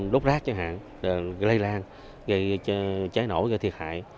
đốt rác chẳng hạn gây lây lan gây cháy nổi gây thiệt hại